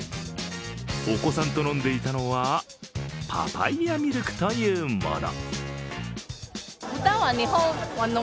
お子さんと飲んでいたのはパパイヤミルクというもの。